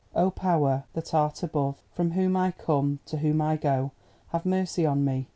"Oh, Power, that art above, from whom I come, to whom I go, have mercy on me!